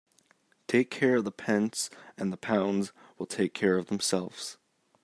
Take care of the pence and the pounds will take care of themselves.